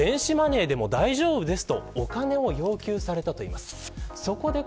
電子マネーでも大丈夫ですとお金を要求されたといいます。